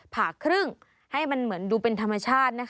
ผ่าครึ่งให้มันเหมือนดูเป็นธรรมชาตินะคะ